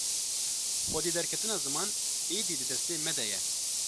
Xwedî derketina ziman êdî di destê me de ye.